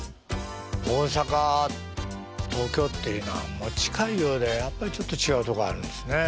大阪東京っていうのは近いようでやっぱりちょっと違うところあるんですね。